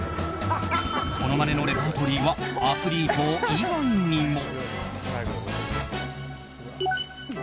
ものまねのレパートリーはアスリート以外にも。